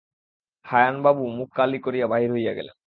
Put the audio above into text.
হারানবাবু মুখ কালি করিয়া বাহির হইয়া গেলেন।